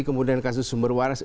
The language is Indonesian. kemudian kasus sumber waras